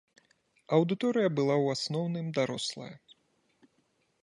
Аўдыторыя была ў асноўным дарослая.